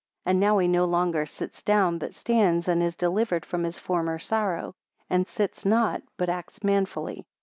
And now he no longer sits down, but stands, and is delivered from his former sorrow; and sits not, but acts manfully.